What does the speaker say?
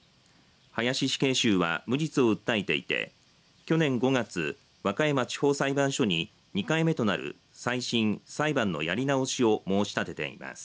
林死刑囚は無実を訴えていて去年５月、和歌山地方裁判所に２回目となる再審・裁判のやり直しを申し立てています。